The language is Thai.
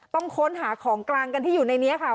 ต้องค้นหาของกลางกันที่อยู่ในนี้ค่ะ